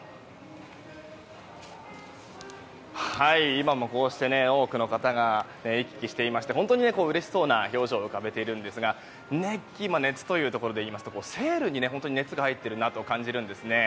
今も、こうして多くの方が行き来していまして本当にうれしそうな表情を浮かべているんですが熱気、熱というところでいうとセールに、本当に熱が入ってるなと感じるんですね。